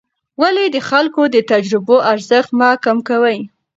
ولې د خلکو د تجربو ارزښت مه کم کوې؟